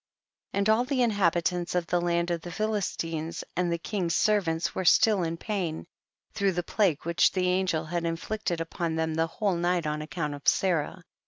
28. And all the inhabitants of the land of the Philistines and the king's servants were still in pain, through the plague which the angel had in flicted upon them the whole night on account of Sarah.